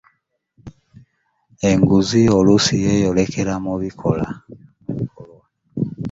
enguzi oluusi yeeyolekera mu bikolwa.